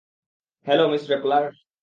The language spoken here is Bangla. Hello, miss রেপলার!